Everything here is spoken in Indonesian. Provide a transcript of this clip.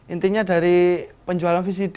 intinya dari penjualan vcd aja itu lho mbak